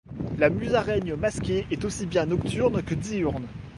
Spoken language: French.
La Musaraigne masquée est aussi bien nocturne que diurne.